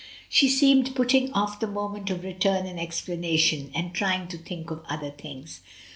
She seemed putting off" the moment of return and explanation, and trying to think of other things.